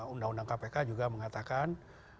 undang undang kpk juga mengatakan